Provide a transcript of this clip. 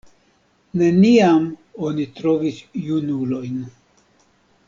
Neniam oni trovis junulojn.